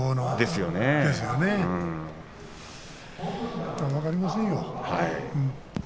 分かりませんよ。